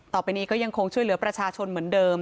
ต่อไปนี้ก็ยังคงช่วยเหลือประชาชนเหมือนเดิม